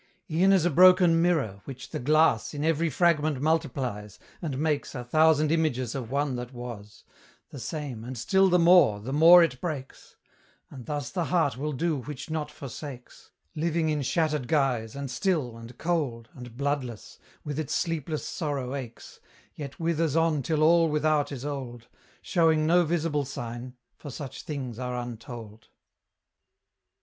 E'en as a broken mirror, which the glass In every fragment multiplies; and makes A thousand images of one that was, The same, and still the more, the more it breaks; And thus the heart will do which not forsakes, Living in shattered guise, and still, and cold, And bloodless, with its sleepless sorrow aches, Yet withers on till all without is old, Showing no visible sign, for such things are untold.